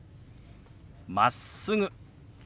「まっすぐ」。